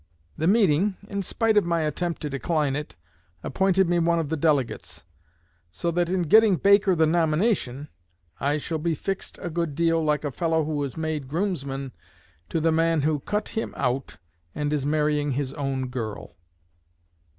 The meeting, in spite of my attempt to decline it, appointed me one of the delegates; so that in getting Baker the nomination I shall be 'fixed' a good deal like a fellow who is made groomsman to the man who 'cut him out' and is marrying his own girl."